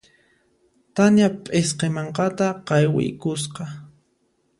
Tania p'isqi mankata qaywiykusqa.